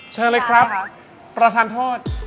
เชิญเลยครับประธานโทษ